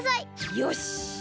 よし！